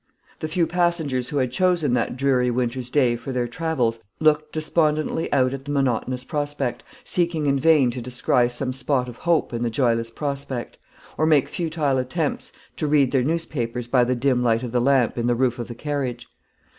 The few passengers who had chosen that dreary winter's day for their travels looked despondently out at the monotonous prospect, seeking in vain to descry some spot of hope in the joyless prospect; or made futile attempts to read their newspapers by the dim light of the lamp in the roof of the carriage.